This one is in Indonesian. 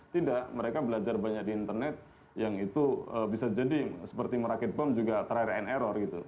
tidak mereka belajar banyak di internet yang itu bisa jadi seperti merakit bom juga trial and error gitu